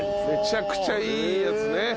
むちゃくちゃいいやつね。